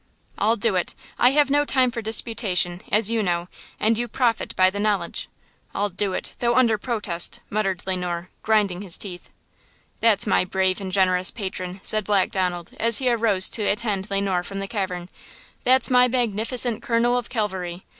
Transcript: "I'll do it! I have no time for disputation, as you know, and you profit by the knowledge. I'll do it, though under protest," muttered Le Noir, grinding his teeth. "That's my brave and generous patron!" said Black Donald, as he arose to attend Le Noir from the cavern; "that's my magnificent colonel of cavalry!